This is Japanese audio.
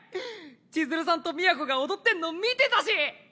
千鶴さんと都が踊ってんの見てたし！